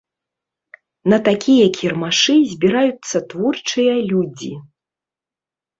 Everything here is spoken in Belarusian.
На такія кірмашы збіраюцца творчыя людзі.